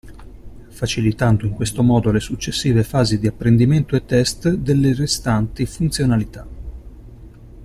Facilitando in questo modo le successive fasi di apprendimento e test delle restanti funzionalità.